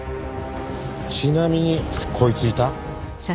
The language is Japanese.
ちなみにこいついた？